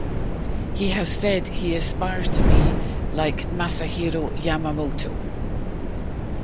He has said he aspires to be like Masahiro Yamamoto.